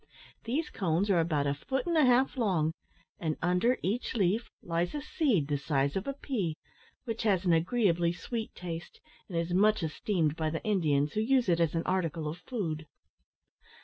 These cones are about a foot and a half long, and under each leaf lies a seed the size of a pea, which has an agreeably sweet taste, and is much esteemed by the Indians, who use it as an article of food.